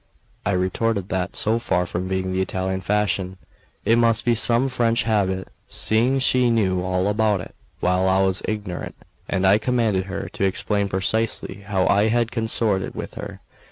I retorted that, so far from being the Italian fashion, it must be some French habit, seeing she knew all about it, while I was ignorant; and I commanded her to explain precisely how I had consorted with her.